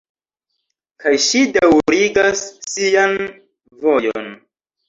Kaj ŝi daŭrigas sian vojon.